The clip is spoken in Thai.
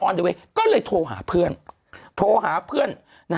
ออนเดเว้ยโทรหาเพื่อน